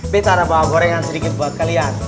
betta ada bawa gorengan sedikit buat kalian